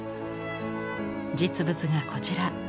実物がこちら。